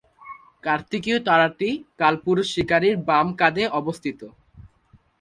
কার্তিকেয় তারাটি কালপুরুষ শিকারীর বাম কাঁধে অবস্থিত।